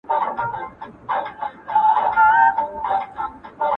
خواره مي غوښتې، نو نه د لالا د مرگه.